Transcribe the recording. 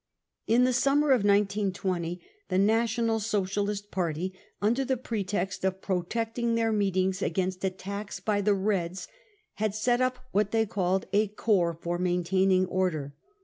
In the summer of 1920, the National Socialist Party, under the pretext of protecting their meetings against „ attacks by the " Reds," had set up what they called a " corps for maintaining order."